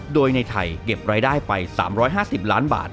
โดยในไทยเก็บรายได้ไป๓๕๐ล้านบาท